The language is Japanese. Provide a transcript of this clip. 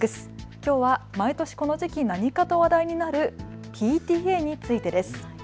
きょうは毎年この時期に何かと話題になるＰＴＡについてです。